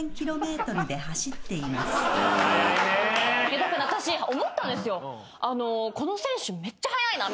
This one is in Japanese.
だから私思ったんですよ。